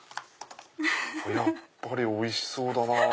やっぱりおいしそうだなぁ。